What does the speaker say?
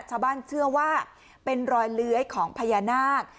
ชาวบ้านเชื่อว่าเป็นรอยเลื้อยของพญานาค